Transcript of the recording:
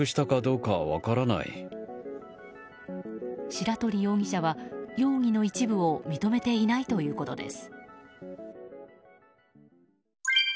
白鳥容疑者は容疑の一部を認めていないということです。